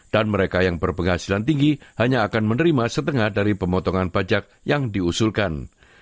dan mereka yang berpenghasilan tinggi hanya akan menerima setengah dari pemotongan pajak yang diusulkan